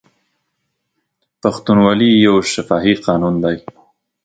پښتونولي یو شفاهي قانون دی.